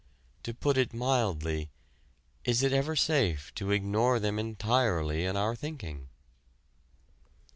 To put it mildly, is it ever safe to ignore them entirely in our thinking?